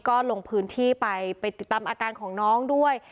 ก็ลงพื้นที่ไปไปติดตามอาการของน้องด้วย